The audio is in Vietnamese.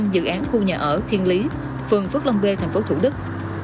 năm dự án khu nhà ở thiên lý phường phước long bê tp thủ đức